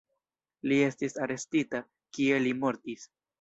Li estis arestita, kie li mortis.